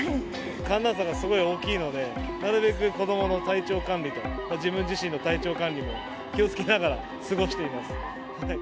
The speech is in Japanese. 寒暖差がすごく大きいので、なるべく子どもの体調管理と自分自身の体調管理も気をつけながら過ごしています。